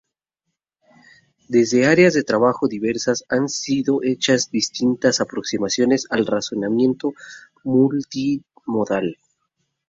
Desde áreas de trabajo diversas, han sido hechas distintas aproximaciones al "razonamiento multimodal".